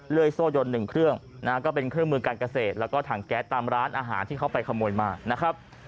ยโซ่ยน๑เครื่องนะฮะก็เป็นเครื่องมือการเกษตรแล้วก็ถังแก๊สตามร้านอาหารที่เขาไปขโมยมานะครับ